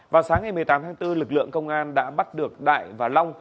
vào sáng ngày một mươi tám tháng bốn lực lượng công an đã bắt được đại và long